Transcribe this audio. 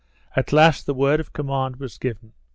At last the word of command was given.